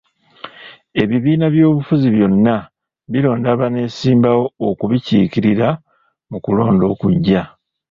Ebibiina by'obufuzi byonna bironda abaneesimbawo okubikiikirira mu kulonda okujja.